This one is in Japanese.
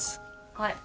はい